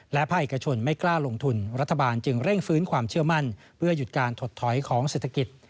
และภาคเอกชนไม่กล้าลงทุนรัฐบาลจึงเร่งฟื้นความเชื่อมั่นเพื่อหยุดการถดถอยของเศรษฐกิจ